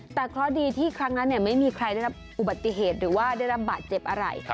แต่เคราะห์ดีที่ครั้งนั้นไม่มีใครได้รับอุบัติเหตุหรือว่าได้รับบาดเจ็บอะไร